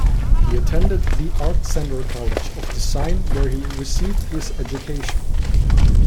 He attended the Art Center College of Design where he received his education.